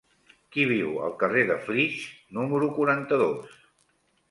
Qui viu al carrer de Flix número quaranta-dos?